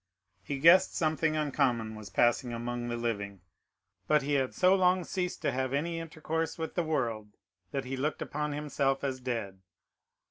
He guessed something uncommon was passing among the living; but he had so long ceased to have any intercourse with the world, that he looked upon himself as dead.